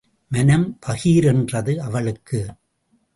மனம் பகீரென்றது அவளுக்கு.